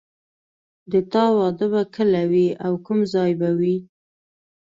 د تا واده به کله وي او کوم ځای به وي